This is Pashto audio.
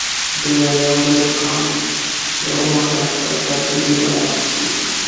دومره یو لوی قام یو مخ له خپل ټاټوبي ورک شي.